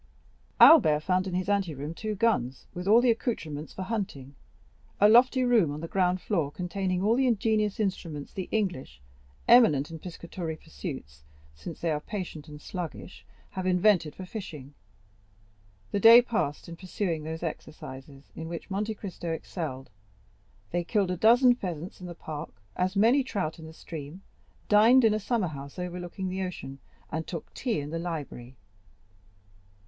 Albert found in his anteroom two guns, with all the accoutrements for hunting; a lofty room on the ground floor containing all the ingenious instruments the English—eminent in piscatory pursuits, since they are patient and sluggish—have invented for fishing. The day passed in pursuing those exercises in which Monte Cristo excelled. They killed a dozen pheasants in the park, as many trout in the stream, dined in a summer house overlooking the ocean, and took tea in the library.